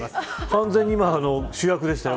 完全に今、主役でしたよ。